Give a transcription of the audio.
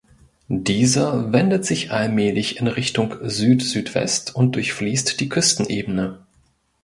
Dieser wendet sich allmählich in Richtung Südsüdwest und durchfließt die Küstenebene.